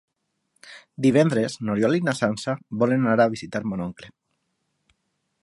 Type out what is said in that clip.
Divendres n'Oriol i na Sança volen anar a visitar mon oncle.